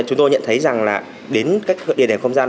thì chúng tôi nhận thấy rằng là đến các địa điểm không gian